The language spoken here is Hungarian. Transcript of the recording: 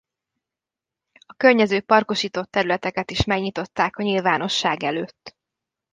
A környező parkosított területeket is megnyitották a nyilvánosság előtt.